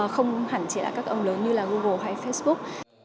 không hẳn chỉ là các ông lớn như là google hay facebook